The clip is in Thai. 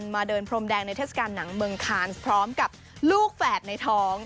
มาเดินพรมแดงในเทศกาลหนังเมืองคานพร้อมกับลูกแฝดในท้อง